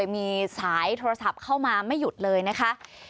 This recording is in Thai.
มีสายโทรศัพท์เข้ามาไม่หยุดเลยนะคะ